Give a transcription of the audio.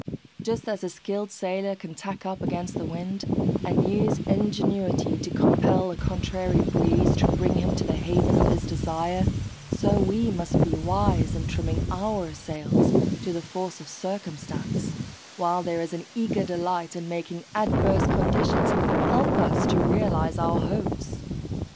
Just as the skilled sailor can tack up against the wind, and use ingenuity to compel a contrary breeze to bring him to the haven of his desire, so we must be wise in trimming our sails to the force of circumstance; while there is an eager delight in making adverse conditions help us to realise our hopes.